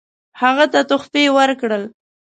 هغه ته تحفې ورکړل.